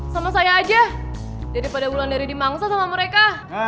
sama saya aja daripada bulan dari dimangsa sama mereka